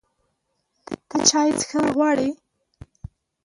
ته چای څښل غواړې؟